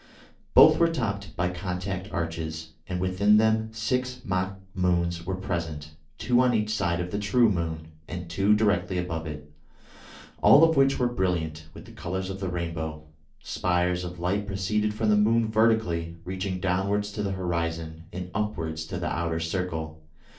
Both were topped by contact arches, and within them six mock moons were present, two on each side of the true moon, and two directly above it, all of which were brilliant with the colours of the rainbow. Spires of light proceeded from the moon vertically, reaching downwards to the horizon, and upwards to the outer circle.